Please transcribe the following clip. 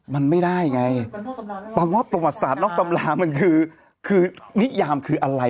มันไม่ได้ไงแปลว่าประวัติศาสตล็อกตำรามันคือคือนิยามคืออะไร